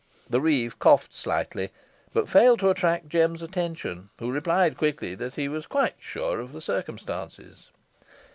The reeve coughed slightly, but failed to attract Jem's attention, who replied quickly, that he was quite sure of the circumstances.